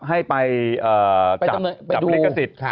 ให้ไปจับเรียกว่าสิทธิ์